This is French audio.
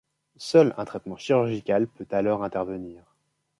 Seul un traitement chirurgical peut alors intervenir.